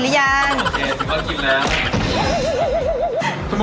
น้ำสองสาม